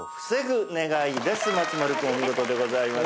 松丸君お見事でございます。